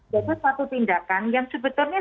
jadi satu tindakan yang sebetulnya